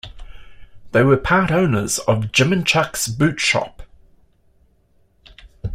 They were part owners of Jim and Chuck's Boot Shop.